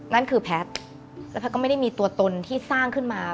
นั่นคือแพทย์แล้วแพทย์ก็ไม่ได้มีตัวตนที่สร้างขึ้นมา